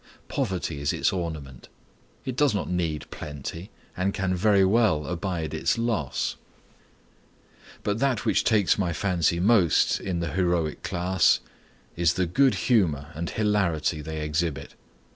Poverty is its ornament. It does not need plenty, and can very well abide its loss. But that which takes my fancy most in the heroic class, is the good humor and hilarity they exhibit.